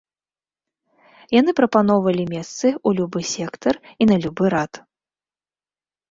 Яны прапаноўвалі месцы ў любы сектар і на любы рад.